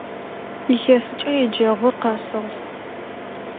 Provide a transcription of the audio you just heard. Илъэсыкӏэ еджэгъур къэсыгъ.